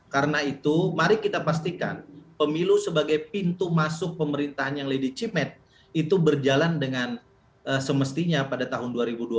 karena itu mari kita pastikan pemilu sebagai pintu masuk pemerintahan yang ledi cimet itu berjalan dengan semestinya pada tahun dua ribu dua puluh empat